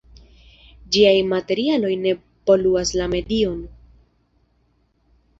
Ĝiaj materialoj ne poluas la medion.